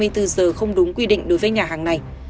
từ giờ không đúng quy định đối với nhà hàng này